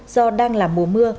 do đang là mùa mưa